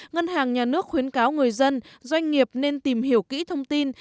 ngân hàng nhà nước khuyến cáo người dân doanh nghiệp nên tìm hiểu kỹ thông tin